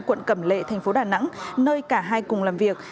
quận cẩm lệ tp đà nẵng nơi cả hai cùng làm việc